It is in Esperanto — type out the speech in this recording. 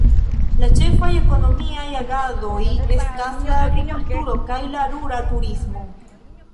La ĉefaj ekonomiaj agadoj estas la agrikulturo kaj la rura turismo.